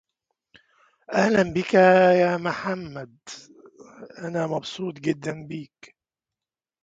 It can become too thick to use, and sometimes completely solidifies.